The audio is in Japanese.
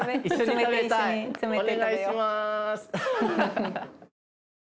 お願いします。